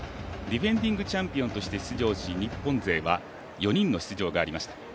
ディフェンディングチャンピオンとして出場し、日本勢は４人の出場がありました。